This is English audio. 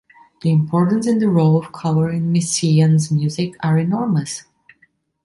The importance and the role of color in Messiaen’s music are enormous.